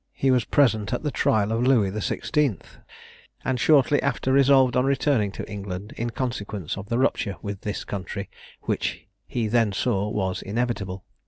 He was present at the trial of Louis XVI., and shortly after resolved on returning to England, in consequence of the rupture with this country, which he then saw was inevitable.